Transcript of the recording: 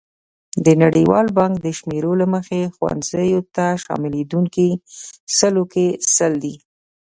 د نړیوال بانک د شمېرو له مخې ښوونځیو ته شاملېدونکي سلو کې سل دي.